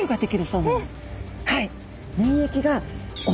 はい。